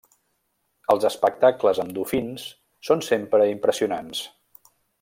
Els espectacles amb dofins són sempre impressionants.